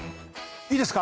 いいですか？